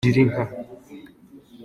Gira inka.